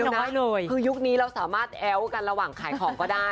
คือได้เลยคือยุคนี้เราสามารถแอ้วกันระหว่างขายของก็ได้